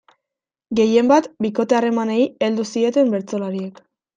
Gehienbat, bikote-harremanei heldu zieten bertsolariek.